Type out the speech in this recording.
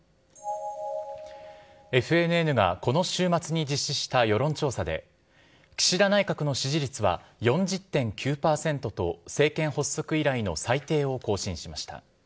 ＦＮＮがこの週末に実施した世論調査で、岸田内閣の支持率は４０．９％と、政権発足以来の最低を更新しました。